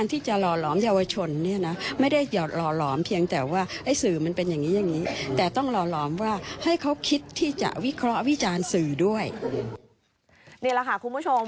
นี่แหละค่ะคุณผู้ชม